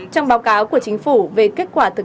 trong báo cáo của chính phủ